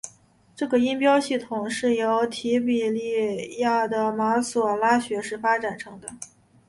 这个音标系统是由提比哩亚的马所拉学士发展成的。